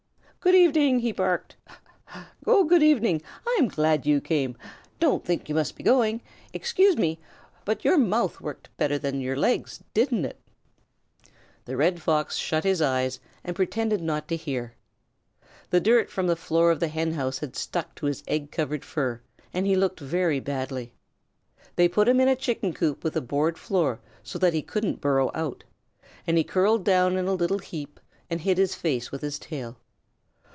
"Good evening!" he barked. "Oh, good evening! I'm glad you came. Don't think you must be going. Excuse me, but your mouth worked better than your legs, didn't it?" The Red Fox shut his eyes and pretended not to hear. The dirt from the floor of the Hen house had stuck to his egg covered fur, and he looked very badly. They put him in a Chicken coop with a board floor, so that he couldn't burrow out, and he curled down in a little heap and hid his face with his tail.